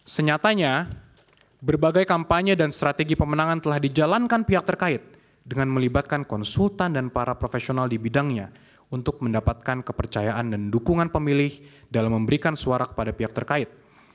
senyatanya berbagai kampanye dan strategi pemenangan telah dijalankan pihak terkait dengan melibatkan konsultan dan para profesional di bidangnya untuk mendapatkan kepercayaan dan dukungan pemilih dalam memberikan suara kepada pihak terkait